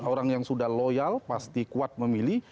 orang yang sudah loyal pasti kuat memilih